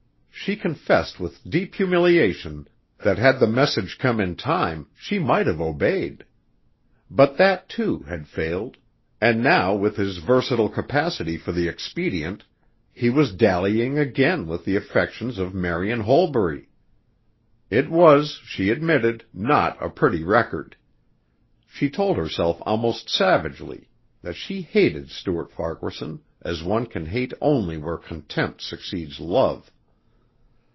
She confessed with deep humiliation that had the message come in time, she might have obeyed. But that, too, had failed and now with his versatile capacity for the expedient, he was dallying again with the affections of Marian Holbury. It was, she admitted, not a pretty record. She told herself almost savagely that she hated Stuart Farquaharson as one can hate only where contempt succeeds love.